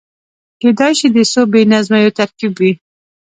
کېدای شي د څو بې نظمیو ترکيب وي.